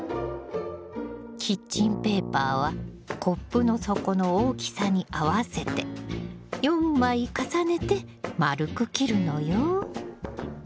キッチンペーパーはコップの底の大きさに合わせて４枚重ねて丸く切るのよ。